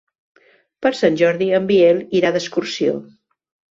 Per Sant Jordi en Biel irà d'excursió.